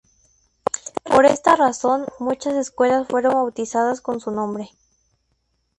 Por esta razón, muchas escuelas fueron bautizadas con su nombre.